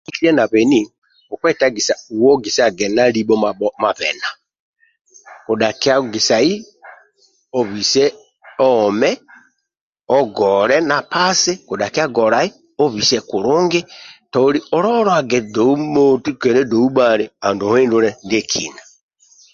Nabeni ogietagisa wogisage na libho mabena kudhakia ogisai obise ome ogole na pasi kudhakia golai obise kulungi ololage dou moti kedha dou bhali andulu olole ndiekina